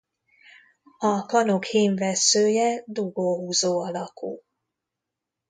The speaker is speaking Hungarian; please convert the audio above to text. A kanok hímvesszője dugóhúzó alakú.